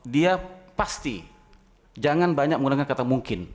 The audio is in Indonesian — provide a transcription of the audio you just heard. dia pasti jangan banyak menggunakan kata mungkin